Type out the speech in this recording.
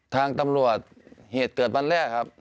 ทางตำรวจเหตุเกิดวันแรกครับ